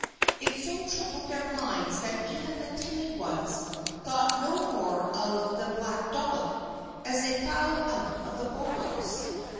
It so troubled their minds that even the timid ones thought no more of "the black dog" as they filed out of the boathouse.